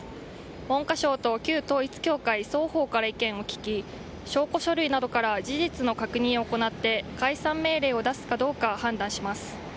文科省と旧統一教会双方から意見を聞き証拠書類などから事実の確認を行って解散命令を出すかどうか判断します。